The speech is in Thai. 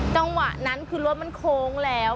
จังหวะนั้นคือรถมันโค้งแล้ว